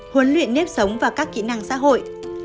huấn luyện nếp sống và các kỹ năng xã hội